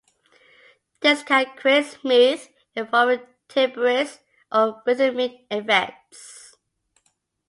This can create smooth, evolving timbres, or rhythmic effects.